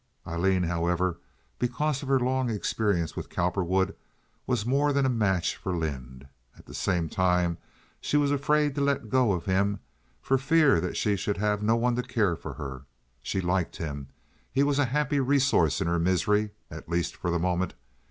Aileen, however, because of her long experience with Cowperwood, was more than a match for Lynde. At the same time she was afraid to let go of him for fear that she should have no one to care for her. She liked him. He was a happy resource in her misery, at least for the moment.